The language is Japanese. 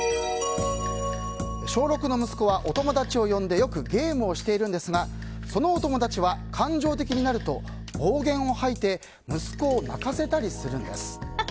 小６の息子はお友達を呼んでよくゲームをしているんですがそのお友達は感情的になると暴言を吐いて息子を泣かせたりするんです。